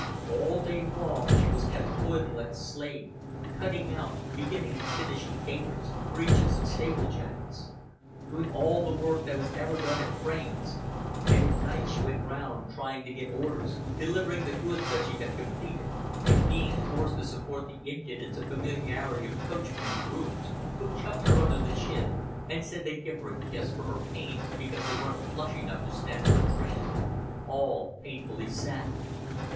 All day long she was kept toiling like a slave, cutting out, beginning and finishing gaiters, breeches, and stable jackets, doing all the work that was ever done at Frayne's; and at night she went round trying to get orders, delivering the goods that she had completed, and being forced to support the impudence and familiarity of coachmen and grooms, who chucked her under the chin and said they'd give her a kiss for her pains because they weren't flush enough to stand her a drink. All painfully sad.